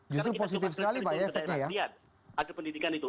justru positif sekali pak ya efeknya ya